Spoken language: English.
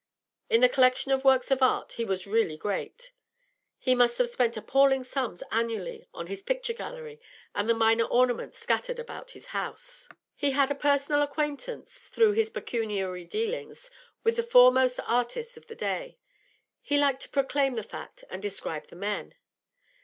In the collection of works of art he was really great; he must have spent appalling sums annually on his picture gallery and the minor ornaments scattered about his house. He had a personal acquaintance, through his pecuniary dealings, with the foremost artists of the day; he liked to proclaim the fact and describe the men.